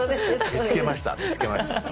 見つけました見つけました。